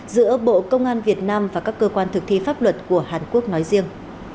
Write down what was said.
giữa bộ công an việt nam và các cơ quan thực thi pháp luật của hàn quốc nói riêng